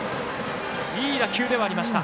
いい打球ではありました。